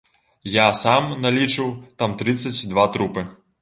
Я сам налічыў там трыццаць два трупы.